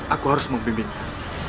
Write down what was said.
aku harus membimbingmu